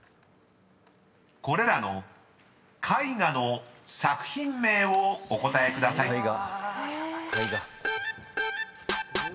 ［これらの絵画の作品名をお答えください］